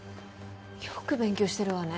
よく勉強してるわね